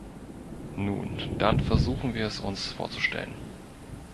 Nun, dann versuchen wir es uns vorzustellen.